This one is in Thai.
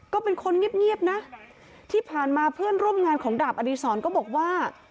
ก็เป็นคนเงียบนะที่ผ่านมาเพื่อนร่วมงานของดาบอดีศรก็บอกว่า